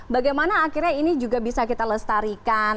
bagaimana akhirnya ini juga bisa kita lestarikan